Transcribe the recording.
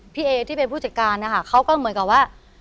พี่เอที่เป็นผู้จัดการนะคะเขาก็เหมือนกับว่า